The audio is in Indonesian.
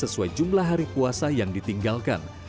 sesuai jumlah hari puasa yang ditinggalkan